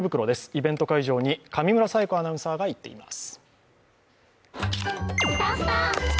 イベント会場に上村彩子アナウンサーが行っています。